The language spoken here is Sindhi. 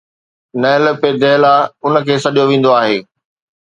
نهل پي دهلا ان کي سڏيو ويندو آهي.